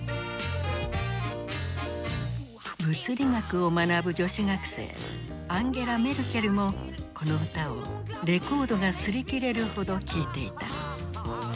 物理学を学ぶ女子学生アンゲラ・メルケルもこの歌をレコードが擦り切れるほど聴いていた。